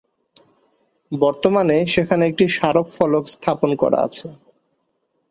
বর্তমানে সেখানে একটি স্মারক ফলক স্থাপন করা আছে।